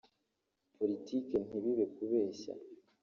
politiki ntibibe kubeshya